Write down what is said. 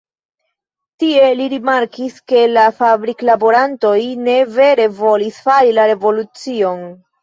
Tie, li rimarkis ke la fabrik-laborantoj ne vere volis fari la revolucion.